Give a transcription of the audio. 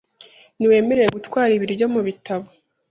Ntiwemerewe gutwara ibiryo mubitabo .